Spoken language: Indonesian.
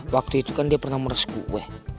waktu itu kan dia pernah meres kue